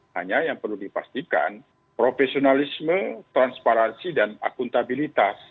hanya yang perlu dipastikan profesionalisme transparansi dan akuntabilitas